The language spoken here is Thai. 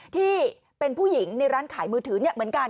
ที่เป็นผู้หญิงในร้านขายมือถือเหมือนกัน